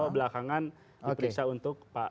belakangan diperiksa untuk pak